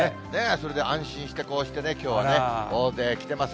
それで安心してこうしてきょうはね、大勢来てます。